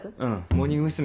モーニング娘。